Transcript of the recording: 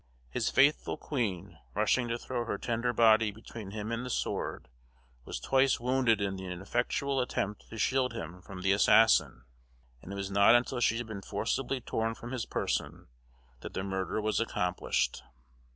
His faithful queen, rushing to throw her tender body between him and the sword, was twice wounded in the ineffectual attempt to shield him from the assassin; and it was not until she had been forcibly torn from his person, that the murder was accomplished.